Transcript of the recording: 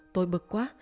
tôi bực quá